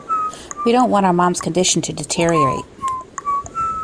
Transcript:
We don't want our mum's condition to deteriorate.